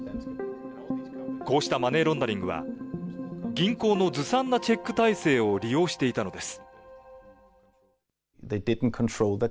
こうしたマネーロンダリングは、銀行のずさんなチェック体制を利用していたのです。